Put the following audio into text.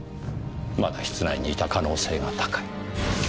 まだ室内にいた可能性が高い。